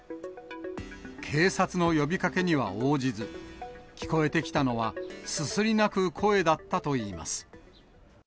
警察の呼びかけには応じず、聞こえてきたのはすすり泣く声だったといいます。